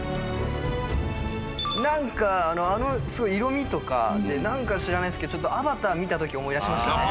何かあの色味とか何か知らないですけど『アバター』見たとき思い出しましたね。